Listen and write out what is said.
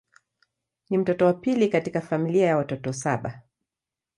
Ni mtoto wa pili katika familia ya watoto saba.